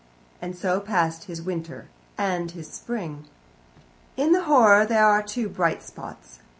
And so passed his winter and his spring. In the horror there are two bright spots.